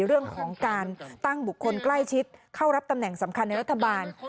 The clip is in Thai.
เรื่องของการตั้งบุคคลใกล้ชิดเข้ารับตำแหน่งสำคัญในรัฐบาล